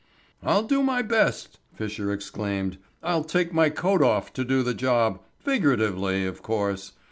"I'll do my best," Fisher exclaimed. "I'll take my coat off to the job figuratively, of course.